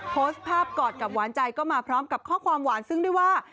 โพสต์ภาพกอดกับหวานใจก็มาพร้อมกับข้อความหวานซึ่งด้วยว่า